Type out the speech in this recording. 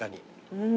うん。